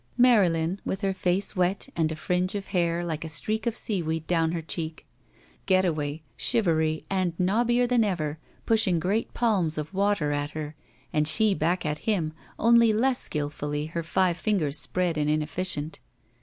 MaryUn with her face wet and a fringe of hair, like a streak of seaweed, down her cheek! Getaway, shivery and knobbier than ever, pushing great palms of water at her and she back at him, only less skillfully her five fingers spread and ineflSdent.